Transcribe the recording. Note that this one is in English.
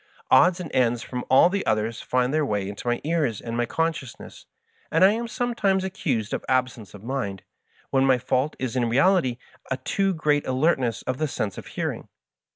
Odds and ends from all the others find their way Digitized by VjOOQIC MY FASCINATING FRIEND. 151 into my ears and my consciousness, and I am sometimes accused of absence of mind, when my fault is in reality a too great alertness of the sense of hearing.